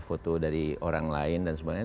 foto dari orang lain dan sebagainya